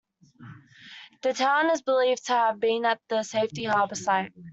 The town is believed to have been at the Safety Harbor Site.